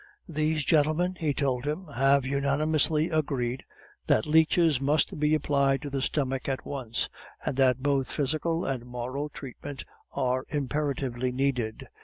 "These gentlemen," he told him, "have unanimously agreed that leeches must be applied to the stomach at once, and that both physical and moral treatment are imperatively needed.